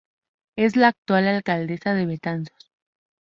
Es la actual alcaldesa de Betanzos.